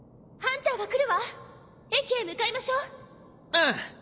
ああ！